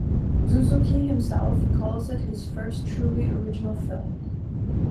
Suzuki himself calls it his first truly original film.